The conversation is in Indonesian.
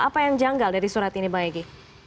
apa yang janggal dari surat ini bang egy